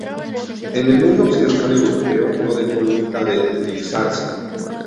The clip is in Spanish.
En el mundo occidental europeo no dejó nunca de utilizarse.